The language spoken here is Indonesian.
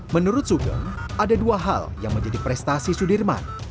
menurut sugeng ada dua hal yang menjadi prestasi sudirman